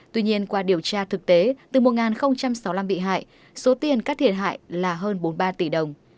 tuy nhiên qua điều tra thực tế từ một sáu mươi năm bị hại số tiền các thiệt hại là hơn bốn mươi ba tỷ đồng